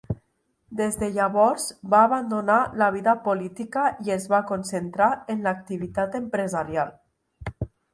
Des de llavors va abandonar la vida política i es va concentrar en l'activitat empresarial.